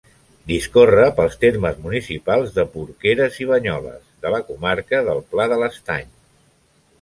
Discorre pels termes municipals de Porqueres i Banyoles, de la comarca del Pla de l'Estany.